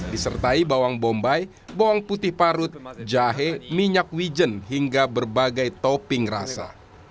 disertai bawang bombay bawang putih parut jahe minyak wijen hingga berbagai topping rasa